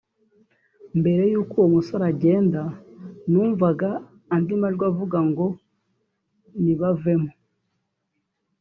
Mbere y’uko uwo musore agenda numvaga andi majwi avuga ngo ‘nibavemo